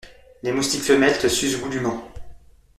Les moustiques femelles te sucent goulument.